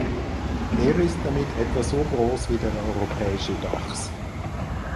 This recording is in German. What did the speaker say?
Er ist damit etwa so groß wie der Europäische Dachs.